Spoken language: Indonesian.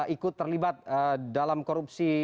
ikut terlibat dalam korupsi